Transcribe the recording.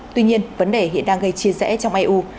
tuy nhiên vấn đề hiện đang gây chia rẽ trong eu